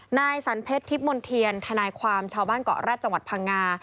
นายสันเพชรทิพย์มนเทียนทนายความชาวบ้านเกาะแร็ดจังหวัดพังงา